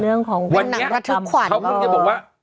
สมมุติวันนี้เขาบอกว่า